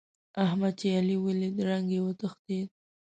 احمد چې علي وليد؛ رنګ يې وتښتېد.